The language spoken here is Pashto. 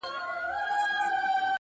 چا په نيمه شپه كي غوښتله ښكارونه،